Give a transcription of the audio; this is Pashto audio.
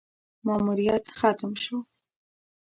ماموریت ختم شو: